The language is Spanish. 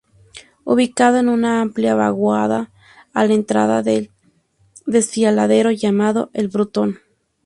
Ubicado en una amplia vaguada, a la entrada del desfiladero llamado "El Butrón".